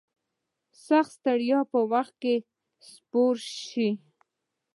سختي ستړیا په وخت کې سپور شي.